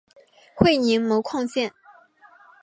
会宁煤矿线